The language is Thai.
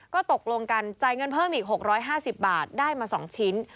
ก็ตกลงกันจ่ายเงินเพิ่มอีก๖๕๐บาทได้มา๒ชิ้น